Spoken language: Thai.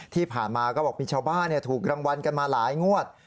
ที่ผ่านมาก็บอกมีชาวบ้านถูกรางวัลกันมาหลายงวด